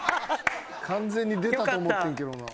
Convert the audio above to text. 完全に出たと思ってんけどな。